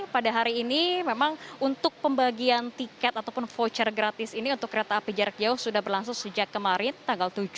pada hari ini memang untuk pembagian tiket ataupun voucher gratis ini untuk kereta api jarak jauh sudah berlangsung sejak kemarin tanggal tujuh